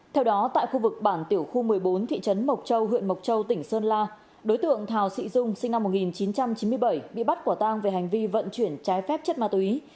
theo đó tại khu vực bản tiểu khu một mươi bốn thị trấn mộc châu huyện mộc châu tỉnh sơn la đối tượng thào sị dung sinh năm một nghìn chín trăm chín mươi bảy bị bắt quả tang về hành vi vận chuyển trái phép chất ma túy